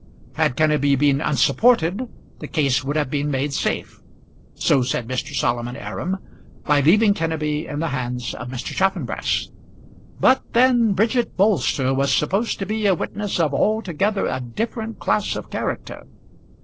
Had Kenneby been unsupported the case would have been made safe, so said Mr. Solomon Aram, by leaving Kenneby in the hands of Mr. Chaffanbrass. But then Bridget Bolster was supposed to be a witness of altogether a different class of character.